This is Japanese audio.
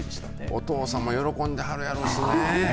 お父さんも喜んではるやろうしね